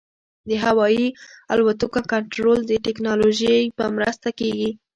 د هوايي الوتکو کنټرول د ټکنالوژۍ په مرسته کېږي.